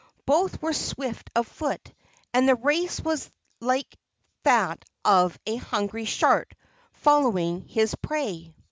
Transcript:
Both were swift of foot, and the race was like that of a hungry shark following his prey.